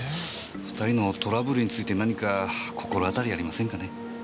２人のトラブルについて何か心当たりありませんかね？